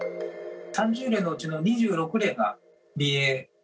３０例のうちの２６例がＢＡ．５。